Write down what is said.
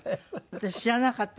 私知らなかった。